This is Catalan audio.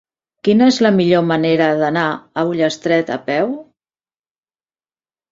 Quina és la millor manera d'anar a Ullastret a peu?